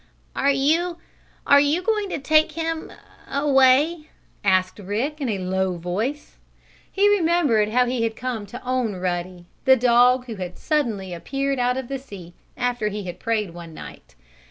"Are you are you going to take him away?" asked Rick in a low voice. He remembered how he had come to own Ruddy the dog who had suddenly appeared out of the sea, after he had prayed one night.